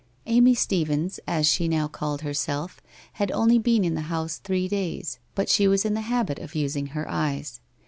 Amy Stephens, as she now called herself, had only been in the house three days, but she was in the habit of using her eyes.